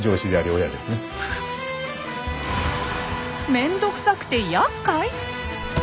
めんどくさくてやっかい？